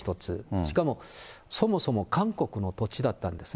しかもそもそも韓国の土地だったんですね。